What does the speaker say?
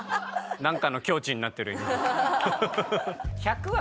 なんかの境地になってる今。